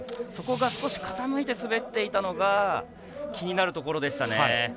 そこが少し傾いて滑っていたのが気になるところでしたね。